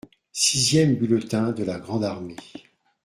Sixième bulletin de la grande armée.